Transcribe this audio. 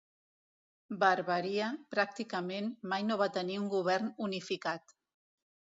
Barbaria, pràcticament, mai no va tenir un govern unificat.